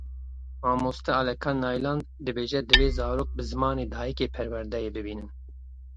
Mamoste Alekan Nyland dibêje divê zarok bi zimanê dayîkê perwerdeyê bibînin.